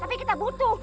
tapi kita butuh